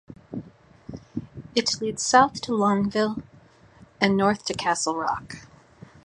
It leads south to Longview and north to Castle Rock.